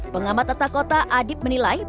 pengamat tata kota adib menilai